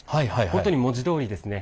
本当に文字どおりですね